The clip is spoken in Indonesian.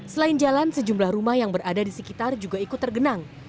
selain jalan sejumlah rumah yang berada di sekitar juga ikut tergenang